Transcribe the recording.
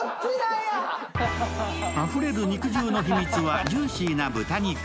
あふれる肉汁の秘密はジューシーな豚肉。